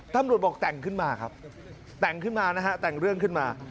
ต้ำรวจบอกแต่งขึ้นมาครับแต่งเรื่องขึ้นมา